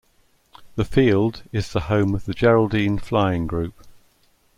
The field is the home of the Geraldine Flying Group.